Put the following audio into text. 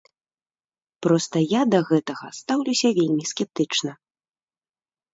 Проста я да гэтага стаўлюся вельмі скептычна.